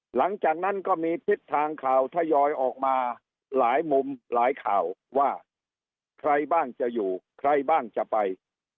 หลังจากนั้นก็มีทิศทางข่าวทยอยออกมาหลายมุมหลายข่าวว่าใครบ้างจะอยู่ใครบ้างจะไป